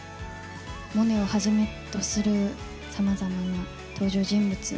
モネをはじめとするさまざまな登場人物